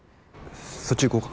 そっち行こうか？